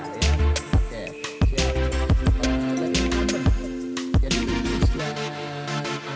ketua praksi juga